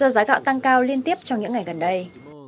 giá gạo tăng cao liên tiếp trong những ngày gần đây